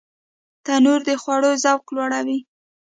تنور د خوړو ذوق لوړوي